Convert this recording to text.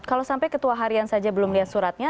kalau sampai ketua harian saja belum lihat suratnya